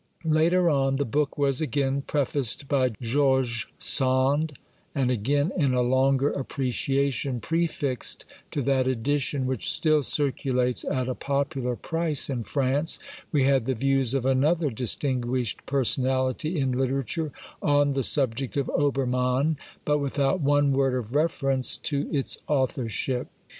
^ Later on the book was again prefaced by George Sand, and again, in a longer appreciation prefixed to that edition, which still circulates at a popular price in France, we had the views of another distinguished personality in literature on the subject of Obermann, but without one word of refer ence to its authorship.